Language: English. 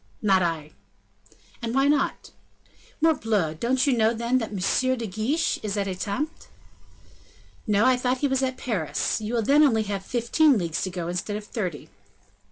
"Not I." "And why not?" "Morbleu! don't you know, then, that M. de Guiche is at Etampes?" "No, I thought he was at Paris. You will then only have fifteen leagues to go, instead of thirty."